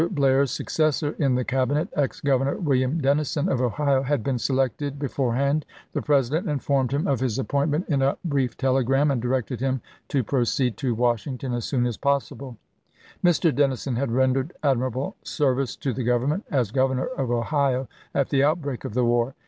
Blair's successor in the Cabinet, ex Governor William Dennison of Ohio, had been selected be forehand. The President informed him of his ap CABINET CHANGES 343 pointment in a brief telegram, and directed him to chap. xv. proceed to Washington as soon as possible. Mr. Dennison had rendered admirable service to the Government, as Governor of Ohio, at the outbreak of the war.